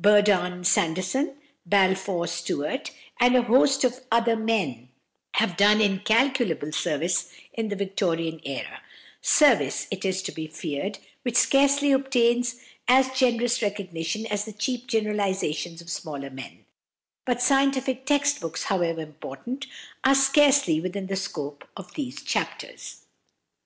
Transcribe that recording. Burdon Sanderson, Balfour Stewart, and a host of other men, have done incalculable service in the Victorian era service, it is to be feared, which scarcely obtains as generous recognition as the cheap generalisations of smaller men; but scientific text books, however important, are scarcely within the scope of these chapters.